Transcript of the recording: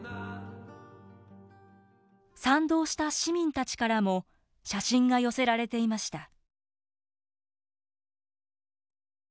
賛同した市民たちからも写真が寄せられていました。